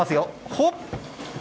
ほっ！